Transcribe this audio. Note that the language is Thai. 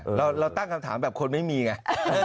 เราตั้งคำถามแบบคนไม่มีไง